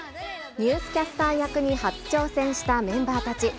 ニュースキャスター役に初挑戦したメンバーたち。